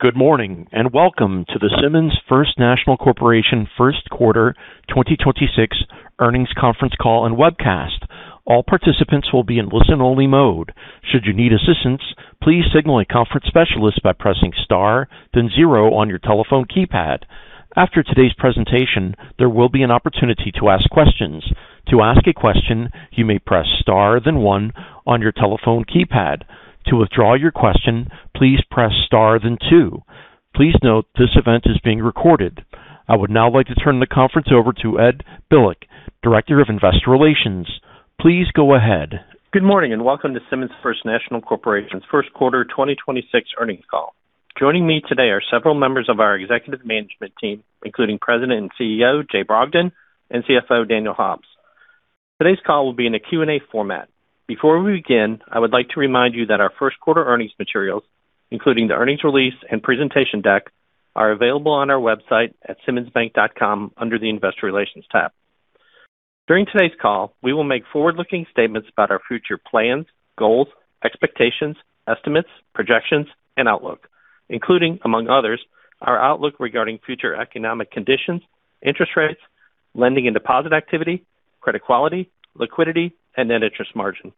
Good morning, and welcome to the Simmons First National Corporation first quarter 2026 earnings conference call and webcast. All participants will be in listen-only mode. Should you need assistance, please signal a conference specialist by pressing star then zero on your telephone keypad. After today's presentation, there will be an opportunity to ask questions. To ask a question, you may press star then one on your telephone keypad. To withdraw your question, please press star then two. Please note this event is being recorded. I would now like to turn the conference over to Ed Bilek, Director of Investor Relations. Please go ahead. Good morning, and welcome to Simmons First National Corporation's first quarter 2026 earnings call. Joining me today are several members of our Executive Management team, including President and CEO, Jay Brogdon, and CFO, Daniel Hobbs. Today's call will be in a Q&A format. Before we begin, I would like to remind you that our first quarter earnings materials, including the earnings release and presentation deck, are available on our website at simmonsbank.com under the Investor Relations tab. During today's call, we will make forward-looking statements about our future plans, goals, expectations, estimates, projections, and outlook, including, among others, our outlook regarding future economic conditions, interest rates, lending and deposit activity, credit quality, liquidity, and net interest margin.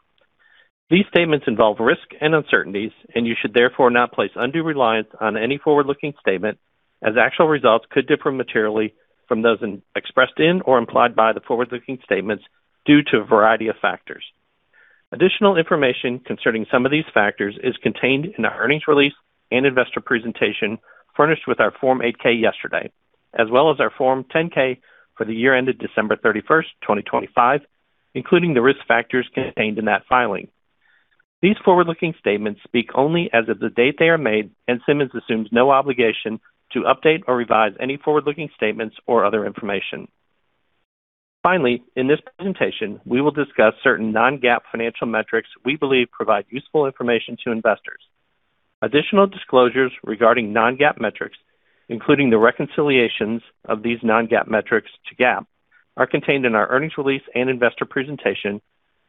These statements involve risk and uncertainties, and you should therefore not place undue reliance on any forward-looking statement as actual results could differ materially from those expressed in or implied by the forward-looking statements due to a variety of factors. Additional information concerning some of these factors is contained in our earnings release and investor presentation furnished with our Form 8-K yesterday, as well as our Form 10-K for the year ended December 31st, 2025, including the risk factors contained in that filing. These forward-looking statements speak only as of the date they are made, and Simmons assumes no obligation to update or revise any forward-looking statements or other information. Finally, in this presentation, we will discuss certain non-GAAP financial metrics we believe provide useful information to investors. Additional disclosures regarding non-GAAP metrics, including the reconciliations of these non-GAAP metrics to GAAP, are contained in our earnings release and investor presentation,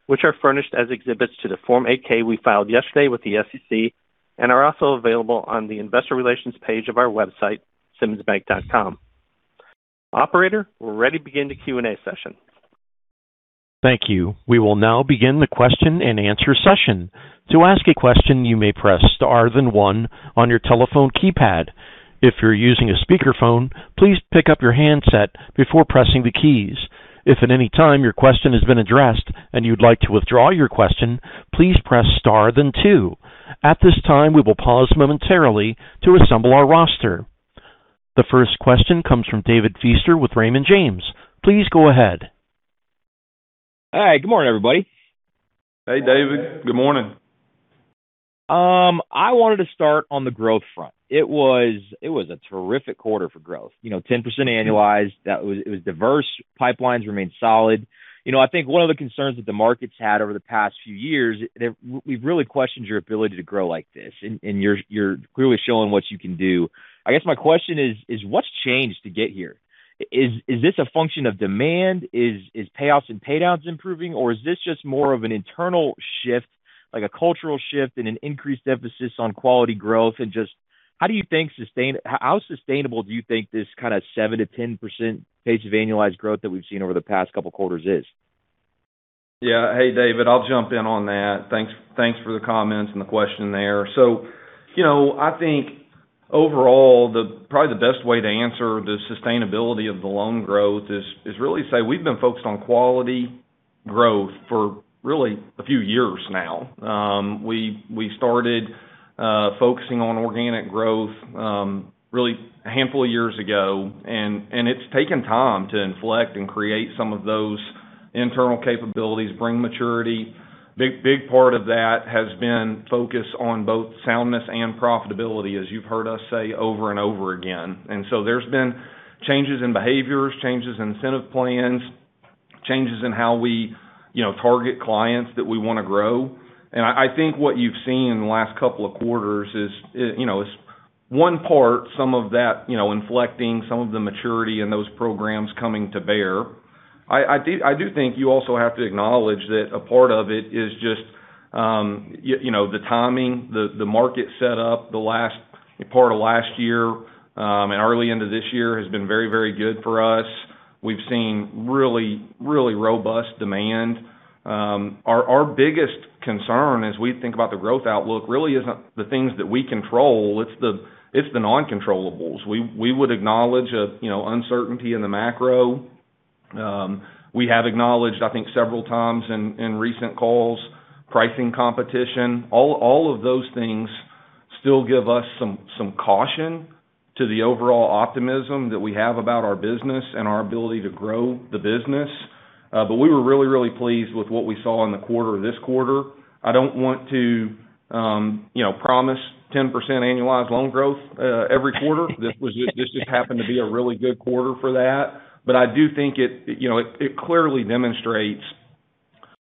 which are furnished as exhibits to the Form 8-K we filed yesterday with the SEC and are also available on the Investor Relations page of our website, simmonsbank.com. Operator, we're ready to begin the Q&A session. Thank you. We will now begin the question-and-answer session. To ask a question, you may press star then one on your telephone keypad. If you're using a speakerphone, please pick up your handset before pressing the keys. If at any time your question has been addressed and you'd like to withdraw your question, please press star then two. At this time, we will pause momentarily to assemble our roster. The first question comes from David Feaster with Raymond James. Please go ahead. Hi. Good morning, everybody. Hey, David. Good morning. I wanted to start on the growth front. It was a terrific quarter for growth. 10% annualized. It was diverse. Pipelines remained solid. I think one of the concerns that the market's had over the past few years, we've really questioned your ability to grow like this, and you're clearly showing what you can do. I guess my question is, what's changed to get here? Is this a function of demand? Is payoffs and paydowns improving, or is this just more of an internal shift, like a cultural shift and an increased emphasis on quality growth and just how sustainable do you think this kind of 7%-10% pace of annualized growth that we've seen over the past couple quarters is? Yeah. Hey, David. I'll jump in on that. Thanks for the comments and the question there. I think overall, probably the best way to answer the sustainability of the loan growth is really say we've been focused on quality growth for really a few years now. We started focusing on organic growth really a handful of years ago, and it's taken time to inflect and create some of those internal capabilities, bring maturity. Big part of that has been focus on both soundness and profitability, as you've heard us say over and over again. There's been changes in behaviors, changes in incentive plans, changes in how we target clients that we want to grow. I think what you've seen in the last couple of quarters is one part, some of that inflecting, some of the maturity, and those programs coming to bear. I do think you also have to acknowledge that a part of it is just the timing, the market set up the last part of last year, and early into this year has been very, very good for us. We've seen really, really robust demand. Our biggest concern as we think about the growth outlook really isn't the things that we control, it's the non-controllables. We would acknowledge uncertainty in the macro. We have acknowledged, I think, several times in recent calls, pricing competition. All of those things still give us some caution to the overall optimism that we have about our business and our ability to grow the business. We were really, really pleased with what we saw in the quarter this quarter. I don't want to promise 10% annualized loan growth every quarter. This just happened to be a really good quarter for that. I do think it clearly demonstrates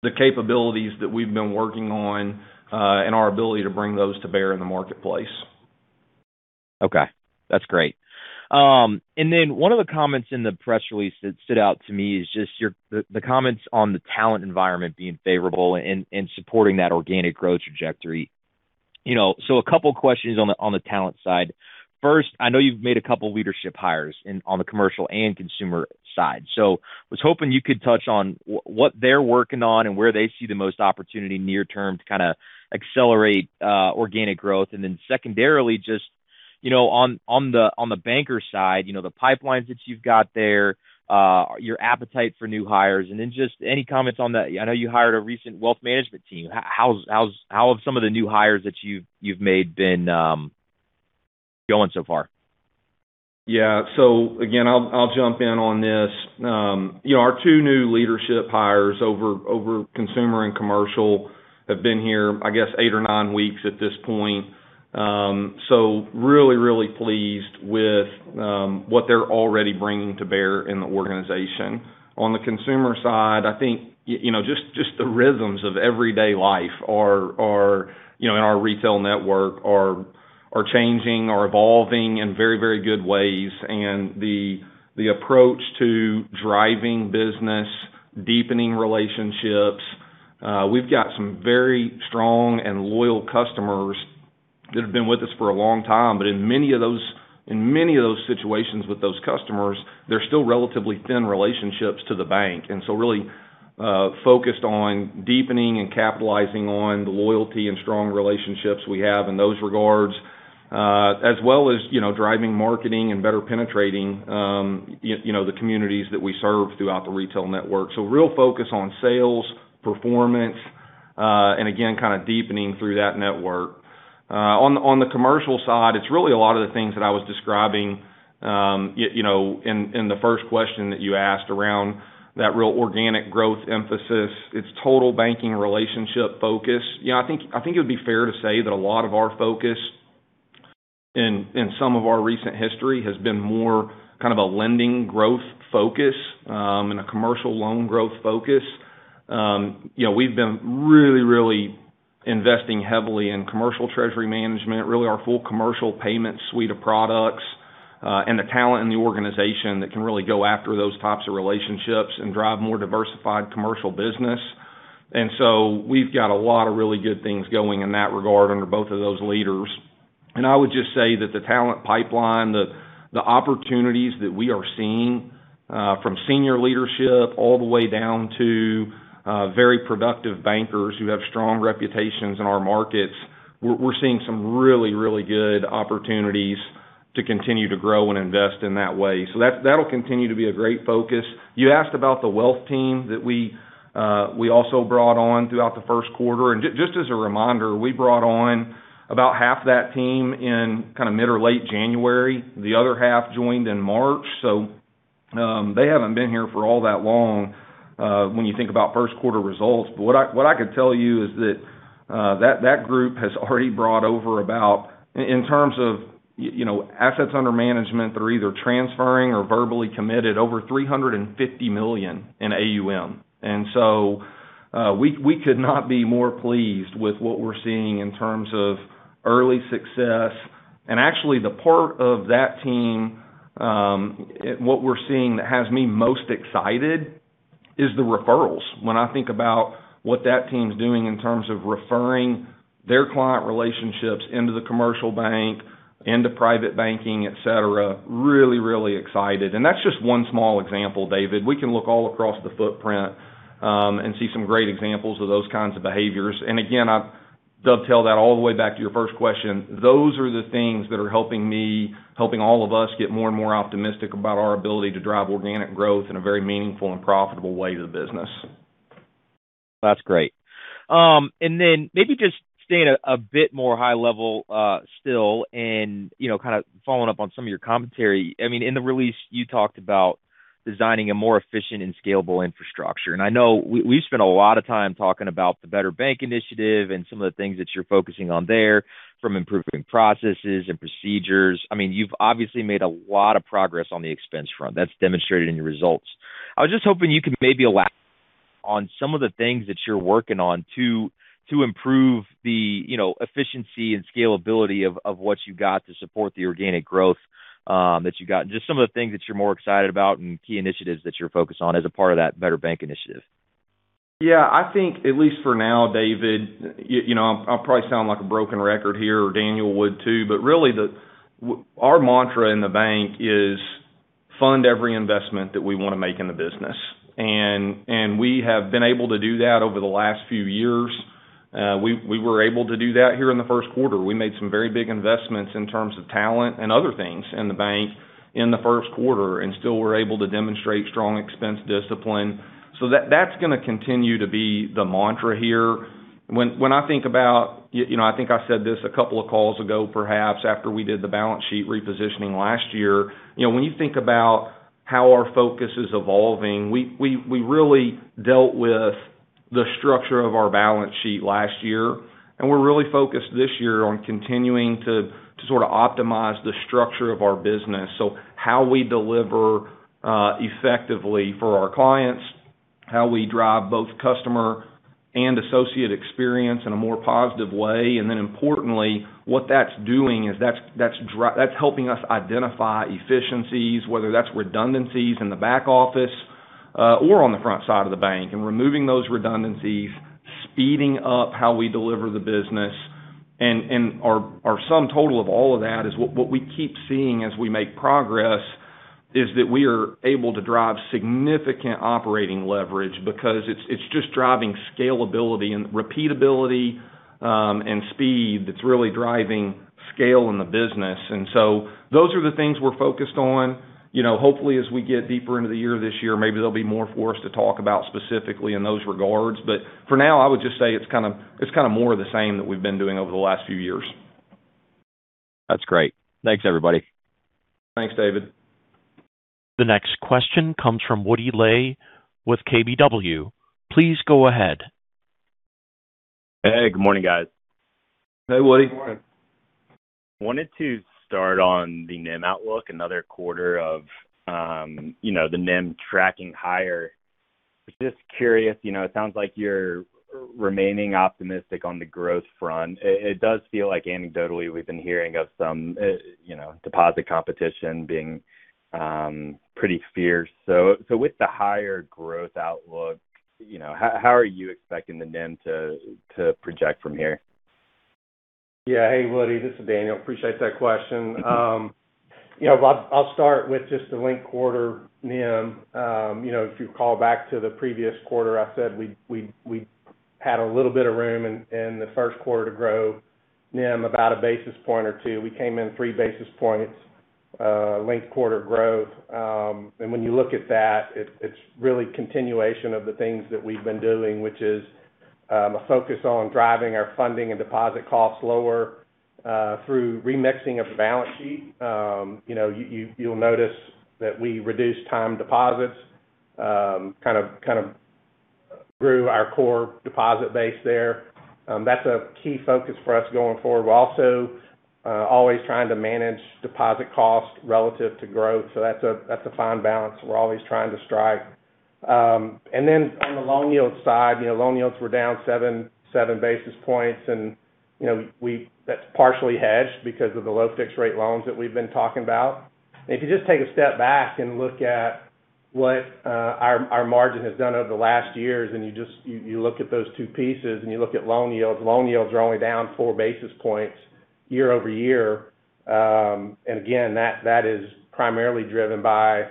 the capabilities that we've been working on, and our ability to bring those to bear in the marketplace. Okay. That's great. One of the comments in the press release that stood out to me is just the comments on the talent environment being favorable and supporting that organic growth trajectory. A couple questions on the talent side. First, I know you've made a couple leadership hires on the commercial and consumer side, so was hoping you could touch on what they're working on and where they see the most opportunity near term to kind of accelerate organic growth. Secondarily, just on the banker side, the pipelines that you've got there, your appetite for new hires, and then just any comments. I know you hired a recent Wealth Management team. How have some of the new hires that you've made been going so far? Yeah. Again, I'll jump in on this. Our two new leadership hires over consumer and commercial have been here, I guess, eight or nine weeks at this point. Really, really pleased with what they're already bringing to bear in the organization. On the consumer side, I think, just the rhythms of everyday life in our retail network are changing, are evolving in very, very good ways, the approach to driving business, deepening relationships. We've got some very strong and loyal customers that have been with us for a long time, but in many of those situations with those customers, they're still relatively thin relationships to the bank. Really, focused on deepening and capitalizing on the loyalty and strong relationships we have in those regards, as well as driving marketing and better penetrating the communities that we serve throughout the retail network. Real focus on sales, performance, and again, kind of deepening through that network. On the commercial side, it's really a lot of the things that I was describing in the first question that you asked around that real organic growth emphasis. It's total banking relationship focus. I think it would be fair to say that a lot of our focus in some of our recent history has been more kind of a lending growth focus, and a commercial loan growth focus. We've been really, really investing heavily in commercial treasury management, really our full commercial payment suite of products, and the talent in the organization that can really go after those types of relationships and drive more diversified commercial business. We've got a lot of really good things going in that regard under both of those leaders. I would just say that the talent pipeline, the opportunities that we are seeing, from senior leadership all the way down to very productive bankers who have strong reputations in our markets, we're seeing some really, really good opportunities to continue to grow and invest in that way. That'll continue to be a great focus. You asked about the wealth team that we also brought on throughout the first quarter, and just as a reminder, we brought on about half that team in mid or late January. The other half joined in March. They haven't been here for all that long, when you think about first quarter results. But what I could tell you is that group has already brought over about, in terms of assets under management that are either transferring or verbally committed, over $350 million in AUM. We could not be more pleased with what we're seeing in terms of early success. Actually the part of that team, what we're seeing that has me most excited is the referrals. When I think about what that team's doing in terms of referring their client relationships into the commercial bank, into private banking, et cetera, really, really excited. That's just one small example, David. We can look all across the footprint, and see some great examples of those kinds of behaviors. Again, I'll dovetail that all the way back to your first question. Those are the things that are helping me, helping all of us get more and more optimistic about our ability to drive organic growth in a very meaningful and profitable way to the business. That's great. Maybe just staying a bit more high level, still and, kind of following up on some of your commentary. I mean, in the release you talked about designing a more efficient and scalable infrastructure. I know we've spent a lot of time talking about the Better Bank Initiative and some of the things that you're focusing on there from improving processes and procedures. I mean, you've obviously made a lot of progress on the expense front. That's demonstrated in your results. I was just hoping you could maybe elaborate on some of the things that you're working on to improve the efficiency and scalability of what you got to support the organic growth, that you got, and just some of the things that you're more excited about and key initiatives that you're focused on as a part of that Better Bank Initiative. Yeah. I think, at least for now, David, I'll probably sound like a broken record here or Daniel would too, but really our mantra in the bank is fund every investment that we want to make in the business. We have been able to do that over the last few years. We were able to do that here in the first quarter. We made some very big investments in terms of talent and other things in the bank in the first quarter, and still were able to demonstrate strong expense discipline. That's going to continue to be the mantra here. When I think about, I think I said this a couple of calls ago, perhaps after we did the balance sheet repositioning last year. When you think about how our focus is evolving, we really dealt with the structure of our balance sheet last year, and we're really focused this year on continuing to sort of optimize the structure of our business. How we deliver, effectively for our clients How we drive both customer and associate experience in a more positive way. Importantly, what that's doing is that's helping us identify efficiencies, whether that's redundancies in the back office or on the front side of the bank, and removing those redundancies, speeding up how we deliver the business. Our sum total of all of that is what we keep seeing as we make progress is that we are able to drive significant operating leverage because it's just driving scalability and repeatability, and speed that's really driving scale in the business. Those are the things we're focused on. Hopefully, as we get deeper into the year this year, maybe there'll be more for us to talk about specifically in those regards. For now, I would just say it's kind of more of the same that we've been doing over the last few years. That's great. Thanks, everybody. Thanks, David. The next question comes from Woody Lay with KBW. Please go ahead. Hey, good morning, guys. Hey, Woody. Wanted to start on the NIM outlook, another quarter of the NIM tracking higher. Just curious, it sounds like you're remaining optimistic on the growth front. It does feel like anecdotally, we've been hearing of some deposit competition being pretty fierce. With the higher growth outlook, how are you expecting the NIM to project from here? Yeah. Hey, Woody, this is Daniel. Appreciate that question. I'll start with just the linked quarter NIM. If you call back to the previous quarter, I said we had a little bit of room in the first quarter to grow NIM about a basis point or two. We came in three basis points, linked quarter growth. When you look at that, it's really continuation of the things that we've been doing, which is a focus on driving our funding and deposit costs lower through remixing of the balance sheet. You'll notice that we reduced time deposits, kind of grew our core deposit base there. That's a key focus for us going forward. We're also always trying to manage deposit cost relative to growth. That's a fine balance we're always trying to strike. On the loan yield side, loan yields were down 7 basis points, and that's partially hedged because of the low fixed rate loans that we've been talking about. If you just take a step back and look at what our margin has done over the last years, and you look at those two pieces and you look at loan yields. Loan yields are only down 4 basis points year-over-year. Again, that is primarily driven by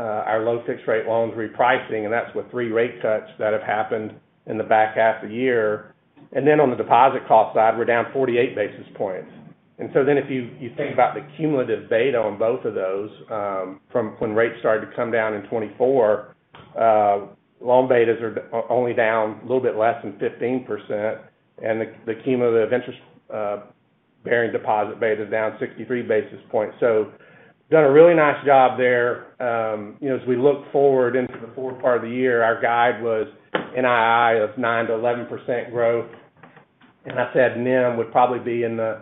our low fixed rate loans repricing, and that's with 3 rate cuts that have happened in the back half of the year. On the deposit cost side, we're down 48 basis points. If you think about the cumulative beta on both of those, from when rates started to come down in 2024, loan betas are only down a little bit less than 15%, and the cumulative interest bearing deposit beta is down 63 basis points. Done a really nice job there. As we look forward into the fourth part of the year, our guide was NII of 9%-11% growth. I said NIM would probably be in the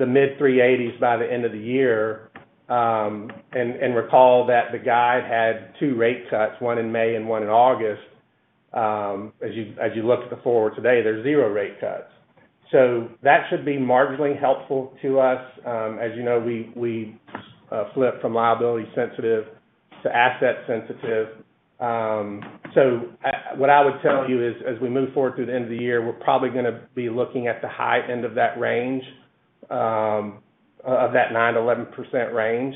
mid-380s by the end of the year. Recall that the guide had 2 rate cuts, one in May and one in August. As you look to the forward today, there's 0 rate cuts. That should be marginally helpful to us. As you know, we flipped from liability sensitive to asset sensitive. What I would tell you is as we move forward through the end of the year, we're probably going to be looking at the high end of that range, of that 9%-11% range.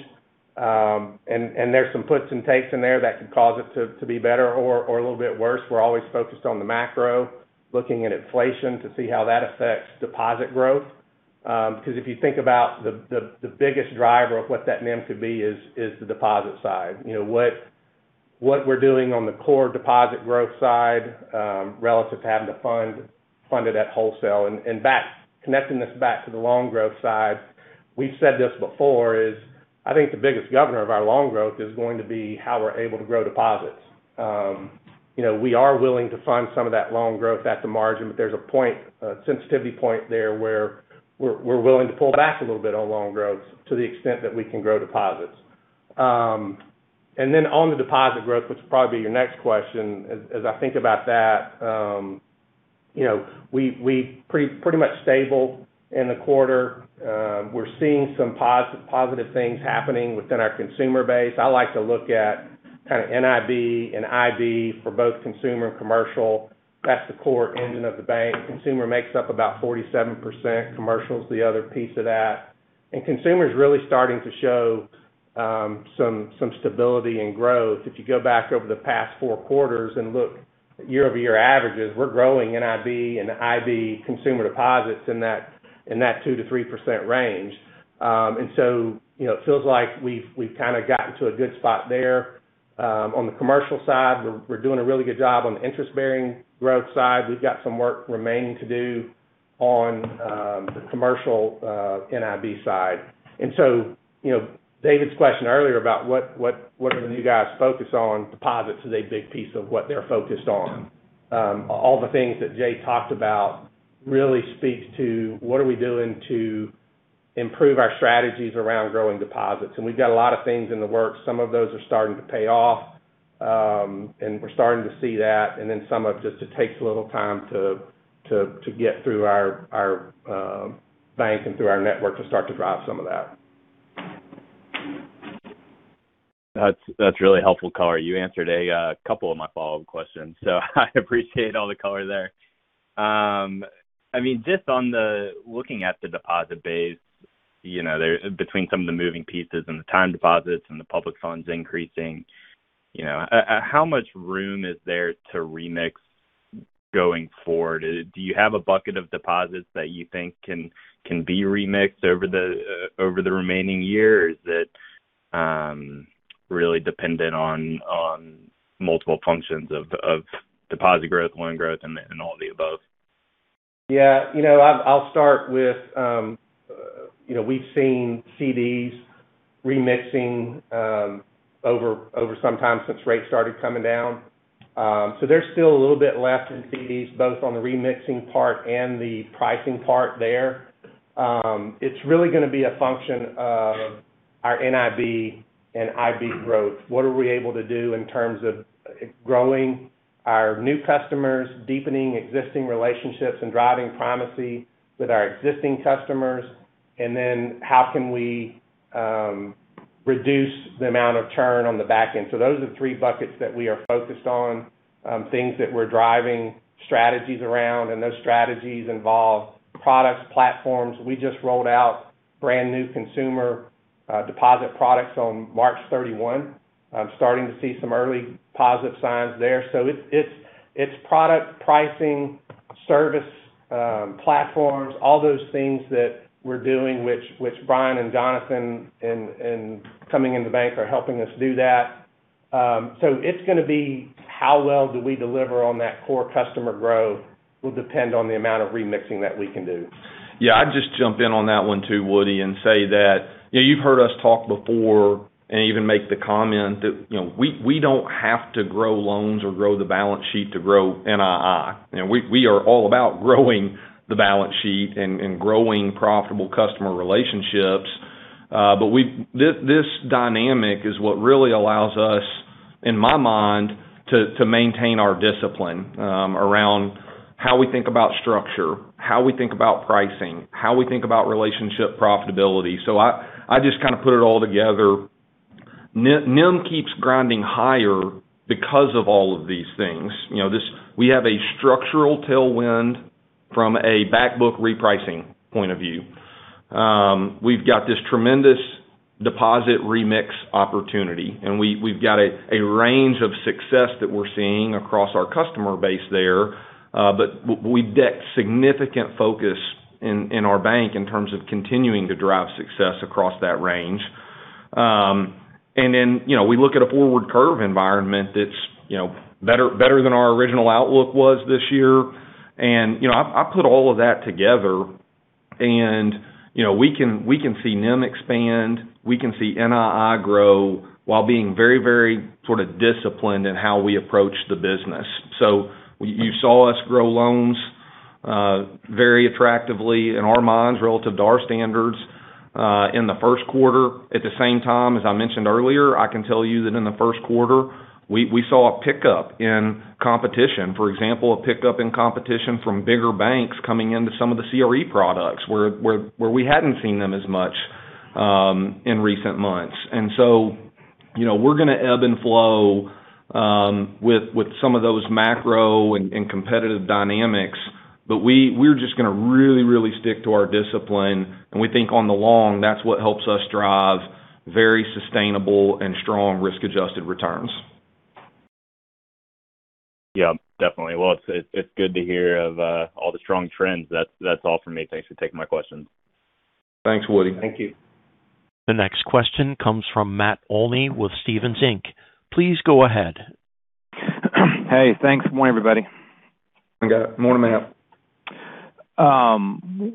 There's some puts and takes in there that could cause it to be better or a little bit worse. We're always focused on the macro, looking at inflation to see how that affects deposit growth. Because if you think about the biggest driver of what that NIM could be is the deposit side. What we're doing on the core deposit growth side, relative to having to fund it at wholesale. Connecting this back to the loan growth side, we've said this before, is I think the biggest governor of our loan growth is going to be how we're able to grow deposits. We are willing to fund some of that loan growth at the margin, but there's a sensitivity point there where we're willing to pull back a little bit on loan growth to the extent that we can grow deposits. On the deposit growth, which will probably be your next question, as I think about that, we were pretty much stable in the quarter. We're seeing some positive things happening within our consumer base. I like to look at kind of NIB and IB for both consumer and commercial. That's the core engine of the bank. Consumer makes up about 47%, commercial is the other piece of that. Consumer is really starting to show some stability in growth. If you go back over the past four quarters and look year-over-year averages, we're growing NIB and IB consumer deposits in that 2%-3% range. It feels like we've kind of gotten to a good spot there. On the commercial side, we're doing a really good job on the interest-bearing growth side. We've got some work remaining to do on the commercial NIB side. David's question earlier about what are you guys focused on, deposits is a big piece of what they're focused on. All the things that Jay talked about really speaks to what are we doing to improve our strategies around growing deposits. We've got a lot of things in the works. Some of those are starting to pay off, and we're starting to see that. Some of it just takes a little time to get through our bank and through our network to start to drive some of that. That's really helpful color. You answered a couple of my follow-up questions, so I appreciate all the color there. Just on the looking at the deposit base, between some of the moving pieces and the time deposits and the public funds increasing, how much room is there to remix going forward? Do you have a bucket of deposits that you think can be remixed over the remaining years that really dependent on multiple functions of deposit growth, loan growth, and all of the above? Yeah. I'll start with we've seen CDs remixing over some time since rates started coming down. There's still a little bit left in CDs, both on the remixing part and the pricing part there. It's really going to be a function of our NIB and IB growth. What are we able to do in terms of growing our new customers, deepening existing relationships, and driving primacy with our existing customers? How can we reduce the amount of churn on the back end? Those are the three buckets that we are focused on, things that we're driving strategies around, and those strategies involve products, platforms. We just rolled out brand new consumer deposit products on March 31. I'm starting to see some early positive signs there. It's product pricing, service platforms, all those things that we're doing, which Brian and Jonathan in coming into the bank are helping us do that. It's going to be how well we deliver on that. Core customer growth will depend on the amount of remixing that we can do. Yeah, I'd just jump in on that one too, Woody, and say that you've heard us talk before and even make the comment that we don't have to grow loans or grow the balance sheet to grow NII. We are all about growing the balance sheet and growing profitable customer relationships. This dynamic is what really allows us, in my mind, to maintain our discipline around how we think about structure, how we think about pricing, how we think about relationship profitability. I just kind of put it all together. NIM keeps grinding higher because of all of these things. We have a structural tailwind from a back book repricing point of view. We've got this tremendous deposit remix opportunity, and we've got a range of success that we're seeing across our customer base there. We've dedicated significant focus in our bank in terms of continuing to drive success across that range. Then we look at a forward curve environment that's better than our original outlook was this year. I put all of that together and we can see NIM expand, we can see NII grow while being very disciplined in how we approach the business. You saw us grow loans very attractively in our minds relative to our standards in the first quarter. At the same time, as I mentioned earlier, I can tell you that in the first quarter, we saw a pickup in competition. For example, a pickup in competition from bigger banks coming into some of the CRE products where we hadn't seen them as much in recent months. We're going to ebb and flow with some of those macro and competitive dynamics. We're just going to really stick to our discipline, and we think on the long, that's what helps us drive very sustainable and strong risk-adjusted returns. Yeah, definitely. Well, it's good to hear of all the strong trends. That's all from me. Thanks for taking my questions. Thanks, Woody. Thank you. The next question comes from Matt Olney with Stephens Inc.. Please go ahead. Hey, thanks. Good morning, everybody. Morning, Matt.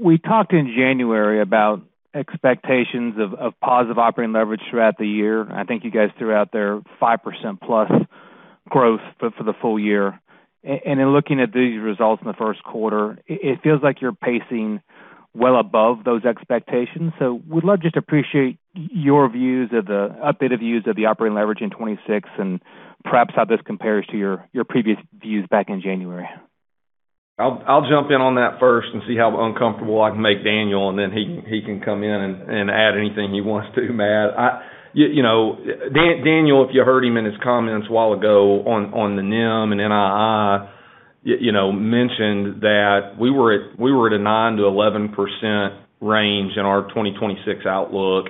We talked in January about expectations of positive operating leverage throughout the year. I think you guys threw out there 5% plus growth for the full year. In looking at these results in the first quarter, it feels like you're pacing well above those expectations. I would love to just appreciate your views of the updated views of the operating leverage in 2026, and perhaps how this compares to your previous views back in January. I'll jump in on that first and see how uncomfortable I can make Daniel, and then he can come in and add anything he wants to, Matt. Daniel, if you heard him in his comments a while ago on the NIM and NII, he mentioned that we were at a 9%-11% range in our 2026 outlook.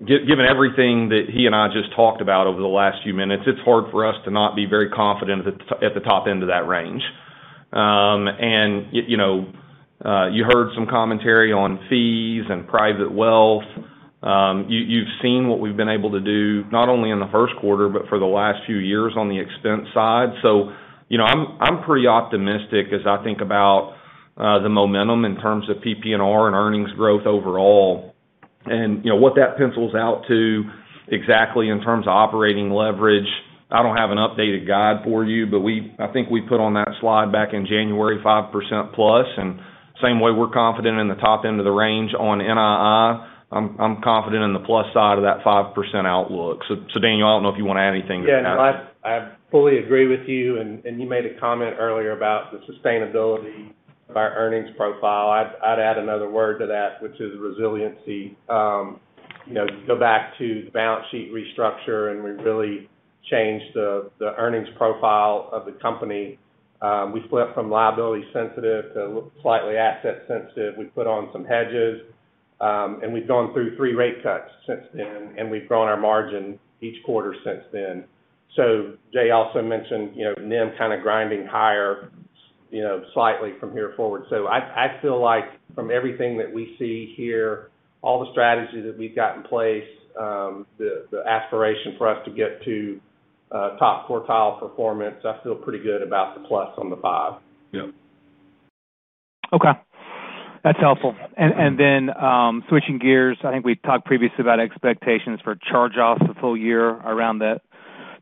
Given everything that he and I just talked about over the last few minutes, it's hard for us to not be very confident at the top end of that range. You heard some commentary on fees and private wealth. You've seen what we've been able to do, not only in the first quarter, but for the last few years on the expense side. I'm pretty optimistic as I think about the momentum in terms of PPNR and earnings growth overall. What that pencils out to exactly in terms of operating leverage, I don't have an updated guide for you, but I think we put on that slide back in January, 5%+. Same way we're confident in the top end of the range on NII, I'm confident in the plus side of that 5% outlook. Dane, I don't know if you want to add anything to that. Yeah, no, I fully agree with you. You made a comment earlier about the sustainability of our earnings profile. I'd add another word to that, which is resiliency. Go back to the balance sheet restructure, and we really changed the earnings profile of the company. We flipped from liability sensitive to slightly asset sensitive. We put on some hedges. We've gone through three rate cuts since then, and we've grown our margin each quarter since then. Jay also mentioned NIM kind of grinding higher slightly from here forward. I feel like from everything that we see here, all the strategy that we've got in place, the aspiration for us to get to top quartile performance, I feel pretty good about the plus on the 5%. Yep. Okay. That's helpful. Switching gears, I think we've talked previously about expectations for charge-offs the full year around that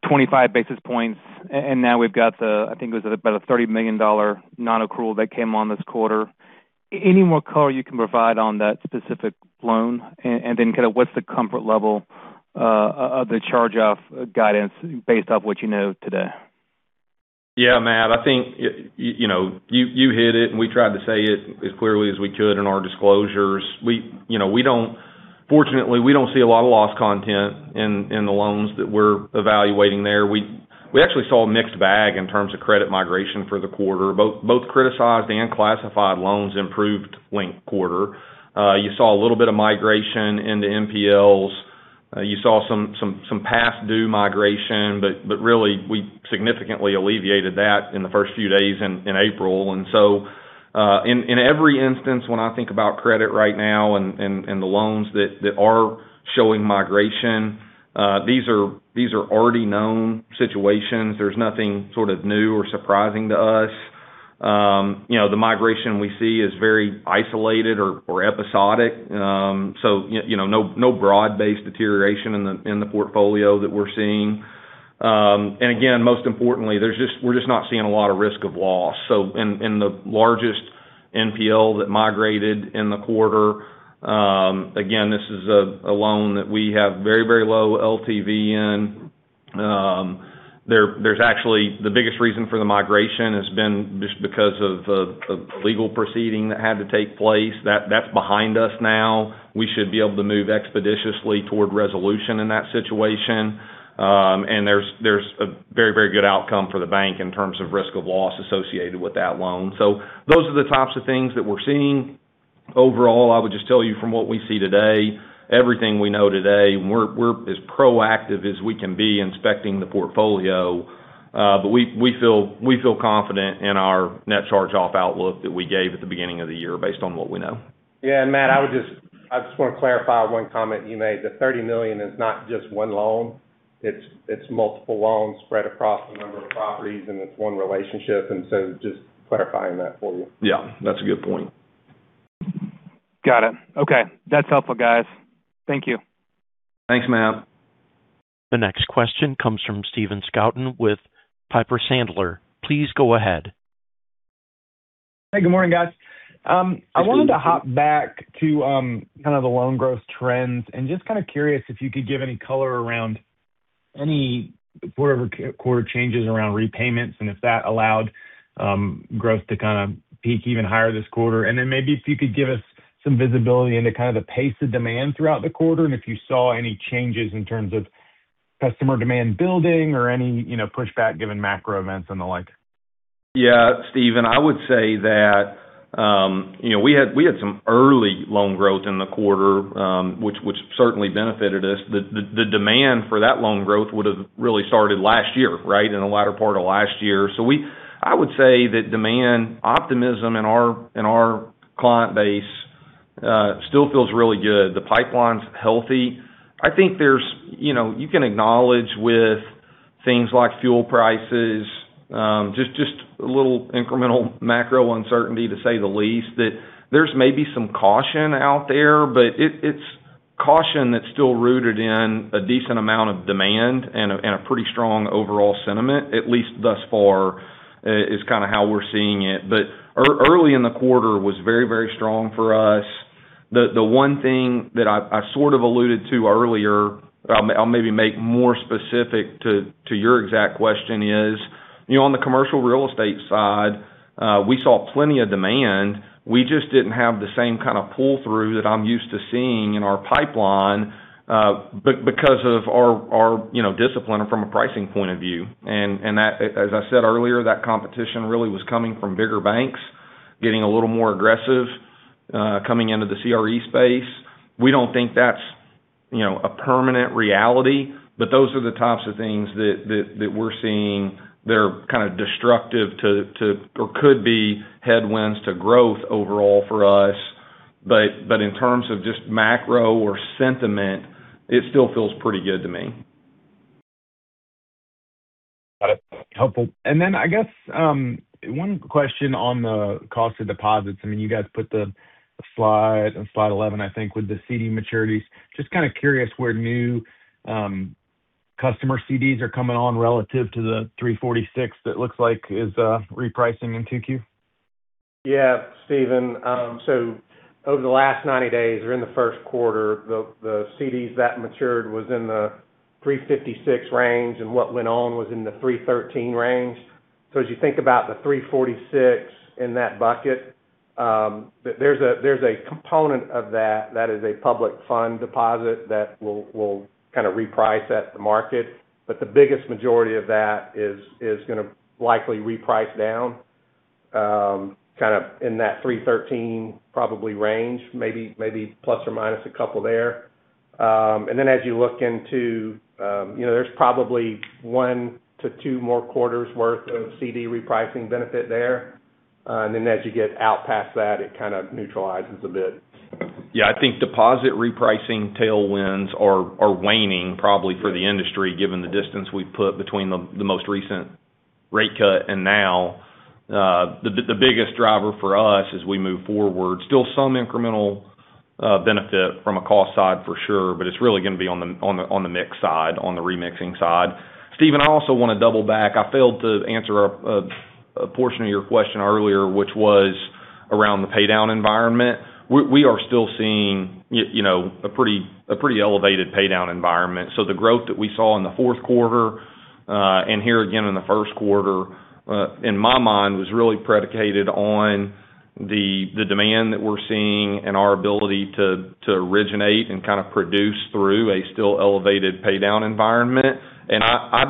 25 basis points, and now we've got the, I think it was about a $30 million non-accrual that came on this quarter. Any more color you can provide on that specific loan? Kind of what's the comfort level of the charge-off guidance based off what you know today? Yeah, Matt, I think you hit it, and we tried to say it as clearly as we could in our disclosures. Fortunately, we don't see a lot of loss content in the loans that we're evaluating there. We actually saw a mixed bag in terms of credit migration for the quarter, both criticized and classified loans improved linked-quarter. You saw a little bit of migration into NPLs. You saw some past due migration, but really, we significantly alleviated that in the first few days in April. In every instance, when I think about credit right now and the loans that are showing migration, these are already known situations. There's nothing sort of new or surprising to us. The migration we see is very isolated or episodic. No broad-based deterioration in the portfolio that we're seeing. Again, most importantly, we're just not seeing a lot of risk of loss. In the largest NPL that migrated in the quarter, again, this is a loan that we have very, very low LTV in. The biggest reason for the migration has been just because of a legal proceeding that had to take place. That's behind us now. We should be able to move expeditiously toward resolution in that situation. There's a very good outcome for the bank in terms of risk of loss associated with that loan. Those are the types of things that we're seeing. Overall, I would just tell you from what we see today, everything we know today, we're as proactive as we can be inspecting the portfolio. We feel confident in our net charge-off outlook that we gave at the beginning of the year based on what we know. Yeah. Matt, I just want to clarify one comment you made. The $30 million is not just one loan, it's multiple loans spread across a number of properties and it's one relationship, and so just clarifying that for you. Yeah, that's a good point. Got it. Okay. That's helpful, guys. Thank you. Thanks, Matt. The next question comes from Stephen Scouten with Piper Sandler. Please go ahead. Hey, good morning, guys. I wanted to hop back to kind of the loan growth trends, and just kind of curious if you could give any color around any quarter changes around repayments and if that allowed growth to kind of peak even higher this quarter? Maybe if you could give us some visibility into kind of the pace of demand throughout the quarter, and if you saw any changes in terms of customer demand building or any pushback given macro events and the like? Yeah. Stephen, I would say that we had some early loan growth in the quarter, which certainly benefited us. The demand for that loan growth would've really started last year, in the latter part of last year. I would say that demand optimism in our client base still feels really good. The pipeline's healthy. I think you can acknowledge with things like fuel prices, just a little incremental macro uncertainty to say the least, that there's maybe some caution out there, but it's caution that's still rooted in a decent amount of demand and a pretty strong overall sentiment, at least thus far, is kind of how we're seeing it. Early in the quarter was very strong for us. The one thing that I sort of alluded to earlier, I'll maybe make more specific to your exact question is, on the commercial real estate side, we saw plenty of demand. We just didn't have the same kind of pull-through that I'm used to seeing in our pipeline, because of our discipline from a pricing point of view. As I said earlier, that competition really was coming from bigger banks getting a little more aggressive, coming into the CRE space. We don't think that's a permanent reality, but those are the types of things that we're seeing that are kind of destructive to or could be headwinds to growth overall for us. In terms of just macro or sentiment, it still feels pretty good to me. Got it. Helpful. Then I guess one question on the cost of deposits. You guys put the slide in slide 11, I think, with the CD maturities. Just kind of curious where new customer CDs are coming on relative to the $346 million that looks like is repricing in 2Q. Yeah, Stephen. Over the last 90 days or in the first quarter, the CDs that matured was in the 3.56% range, and what went on was in the 3.13% range. As you think about the 3.46% in that bucket, there's a component of that that is a public fund deposit that will kind of reprice at the market. The biggest majority of that is going to likely reprice down, kind of in that 3.13% probably range, maybe plus or minus a couple there. As you look into, there's probably one to two more quarters worth of CD repricing benefit there. As you get out past that, it kind of neutralizes a bit. Yeah, I think deposit repricing tailwinds are waning probably for the industry, given the distance we've put between the most recent rate cut and now. The biggest driver for us as we move forward, still some incremental benefit from a cost side for sure, but it's really going to be on the mix side, on the remixing side. Stephen, I also want to double back. I failed to answer a portion of your question earlier, which was around the pay down environment. We are still seeing a pretty elevated pay down environment. The growth that we saw in the fourth quarter, and here again in the first quarter, in my mind, was really predicated on the demand that we're seeing and our ability to originate and kind of produce through a still elevated pay down environment. I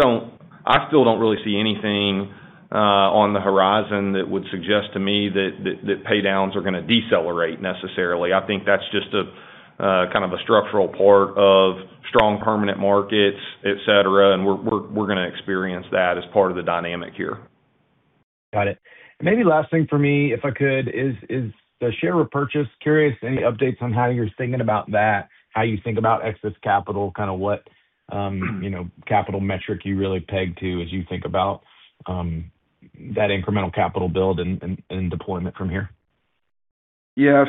still don't really see anything on the horizon that would suggest to me that pay downs are going to decelerate necessarily. I think that's just a kind of a structural part of strong permanent markets, et cetera, and we're going to experience that as part of the dynamic here. Got it. Maybe last thing for me, if I could, is the share repurchase. Curious, any updates on how you're thinking about that, how you think about excess capital, kind of what capital metric you really peg to as you think about that incremental capital build and deployment from here? Yeah.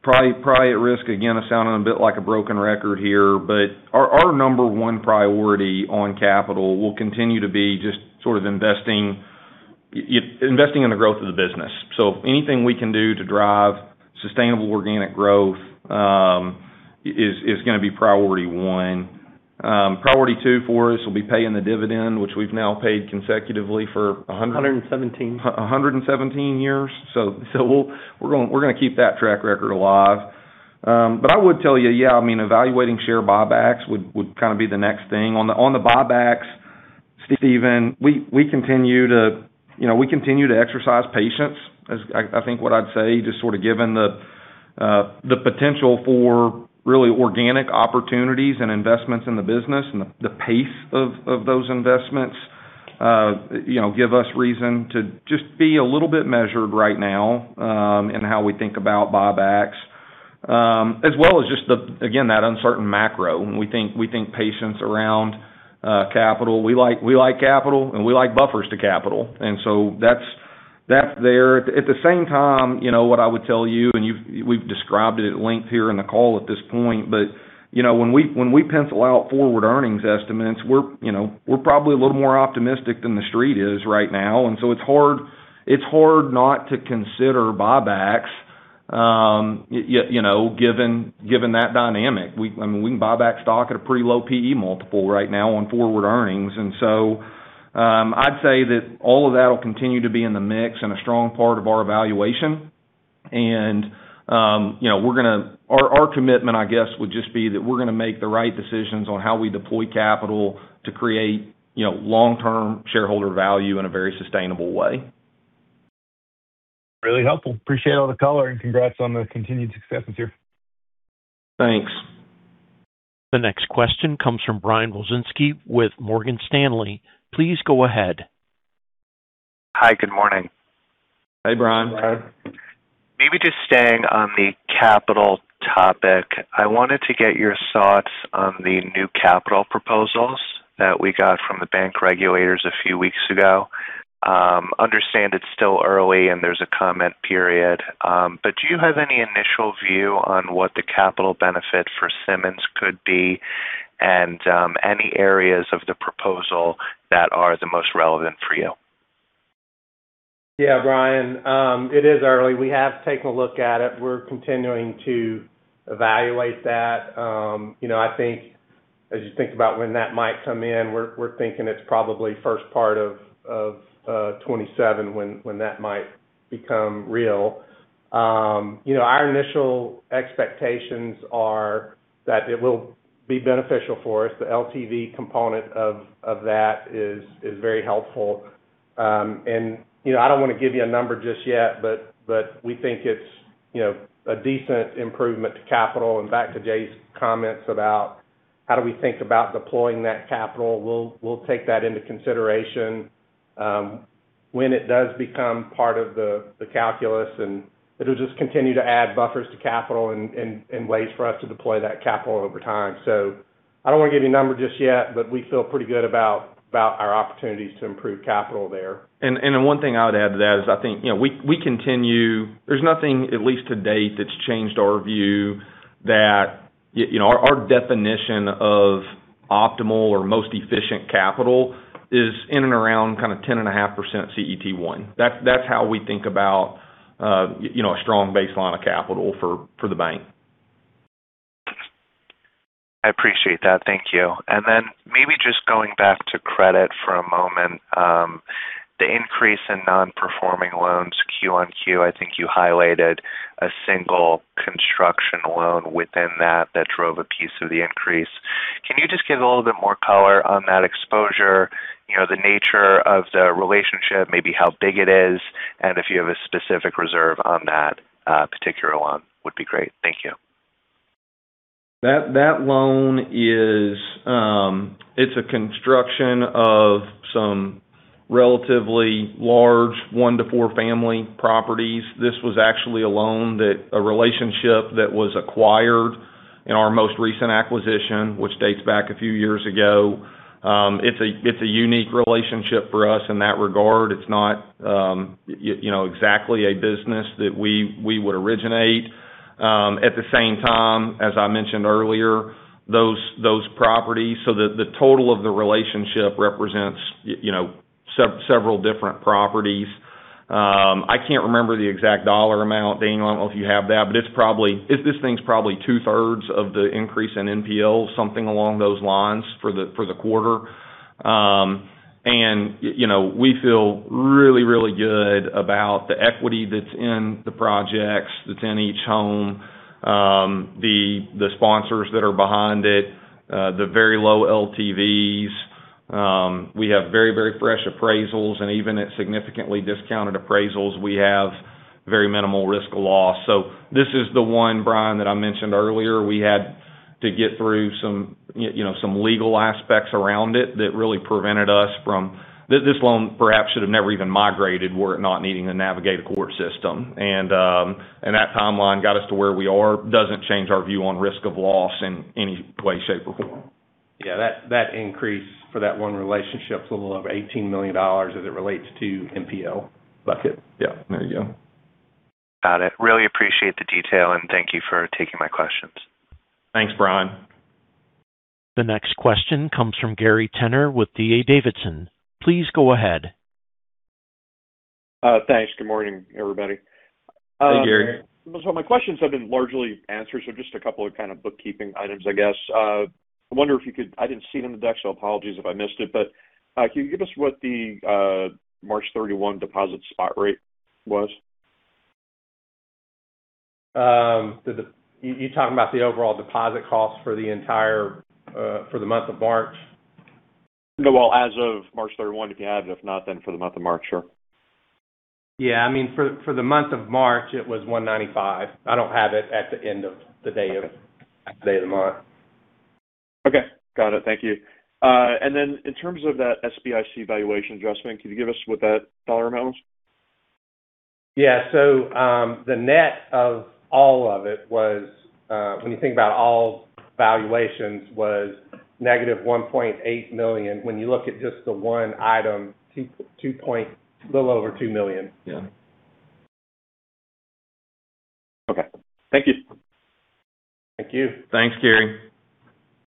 Probably at risk, again, of sounding a bit like a broken record here, but our number one priority on capital will continue to be just sort of investing in the growth of the business. Anything we can do to drive sustainable organic growth is going to be priority one. Priority two for us will be paying the dividend, which we've now paid consecutively for- 117 [years] 117 years. We're going to keep that track record alive. I would tell you, yeah, evaluating share buybacks would kind of be the next thing. On the buybacks, Stephen, we continue to exercise patience, is I think what I'd say, just sort of given the potential for really organic opportunities and investments in the business, and the pace of those investments give us reason to just be a little bit measured right now in how we think about buybacks. As well as just, again, that uncertain macro, and we think patience around capital. We like capital and we like buffers to capital. That's there. At the same time, what I would tell you, and we've described it at length here in the call at this point, but when we pencil out forward earnings estimates, we're probably a little more optimistic than the street is right now. It's hard not to consider buybacks given that dynamic. We can buy back stock at a pretty low PE multiple right now on forward earnings. I'd say that all of that'll continue to be in the mix and a strong part of our evaluation. Our commitment, I guess, would just be that we're going to make the right decisions on how we deploy capital to create long-term shareholder value in a very sustainable way. Really helpful. Appreciate all the color, and congrats on the continued successes here. Thanks. The next question comes from Brian Wilczynski with Morgan Stanley. Please go ahead. Hi, good morning. Hey, Brian. Hey, Brian. Maybe just staying on the capital topic, I wanted to get your thoughts on the new capital proposals that we got from the bank regulators a few weeks ago. I understand it's still early and there's a comment period. Do you have any initial view on what the capital benefit for Simmons could be and any areas of the proposal that are the most relevant for you? Yeah. Brian, it is early. We have taken a look at it. We're continuing to evaluate that. I think as you think about when that might come in, we're thinking it's probably first part of 2027 when that might become real. Our initial expectations are that it will be beneficial for us. The LTV component of that is very helpful. I don't want to give you a number just yet, but we think it's a decent improvement to capital. Back to Jay's comments about how we think about deploying that capital, we'll take that into consideration. When it does become part of the calculus, and it'll just continue to add buffers to capital and ways for us to deploy that capital over time. I don't want to give you a number just yet, but we feel pretty good about our opportunities to improve capital there. One thing I would add to that is, I think, there's nothing, at least to-date, that's changed our view that our definition of optimal or most efficient capital is in and around kind of 10.5% CET1. That's how we think about a strong baseline of capital for the bank. I appreciate that. Thank you. Then maybe just going back to credit for a moment. The increase in nonperforming loans quarter-on-quarter, I think you highlighted a single construction loan within that drove a piece of the increase. Can you just give a little bit more color on that exposure, the nature of the relationship, maybe how big it is, and if you have a specific reserve on that particular loan, would be great? Thank you. That loan is. It's a construction of some relatively large one to four family properties. This was actually a loan that a relationship that was acquired in our most recent acquisition, which dates back a few years ago. It's a unique relationship for us in that regard. It's not exactly a business that we would originate. At the same time, as I mentioned earlier, those properties. So the total of the relationship represents several different properties. I can't remember the exact dollar amount. Dane, I don't know if you have that, but this thing's probably two-thirds of the increase in NPL, something along those lines for the quarter. We feel really, really good about the equity that's in the projects, that's in each home, the sponsors that are behind it, the very low LTVs. We have very, very fresh appraisals, and even at significantly discounted appraisals, we have very minimal risk of loss. This is the one, Brian, that I mentioned earlier. We had to get through some legal aspects around it that really prevented us. This loan perhaps should have never even migrated were it not needing to navigate a court system. That timeline got us to where we are, doesn't change our view on risk of loss in any way, shape, or form. Yeah, that increase for that one relationship's a little over $18 million as it relates to NPL bucket. Yep, there you go. Got it. Really appreciate the detail, and thank you for taking my questions. Thanks, Brian. The next question comes from Gary Tenner with D.A. Davidson. Please go ahead. Thanks. Good morning, everybody. Hey, Gary. My questions have been largely answered, so just a couple of kind of bookkeeping items, I guess. I wonder if you could, I didn't see it in the deck, so apologies if I missed it, but, can you give us what the, March 31 deposit spot rate was? You're talking about the overall deposit cost for the month of March? Well, as of March 31, if you have it. If not, then for the month of March, sure. Yeah. I mean, for the month of March, it was $195 million. I don't have it at the end of the day. Okay of the month. Okay. Got it. Thank you. In terms of that SBIC valuation adjustment, can you give us what that dollar amount was? Yeah. The net of all of it was, when you think about all valuations was -$1.8 million. When you look at just the one item, a little over $2 million. Yeah. Okay. Thank you. Thank you. Thanks, Gary.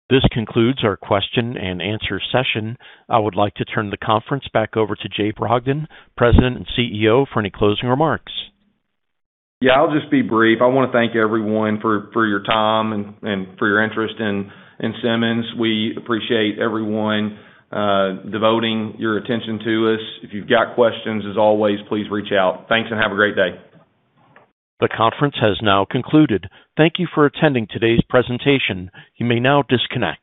This concludes our question and answer session. I would like to turn the conference back over to Jay Brogdon, President and CEO, for any closing remarks. Yeah, I'll just be brief. I want to thank everyone for your time and for your interest in Simmons. We appreciate everyone devoting your attention to us. If you've got questions, as always, please reach out. Thanks, and have a great day. The conference has now concluded. Thank you for attending today's presentation. You may now disconnect.